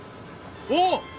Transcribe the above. おっ！